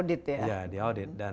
itu di audit ya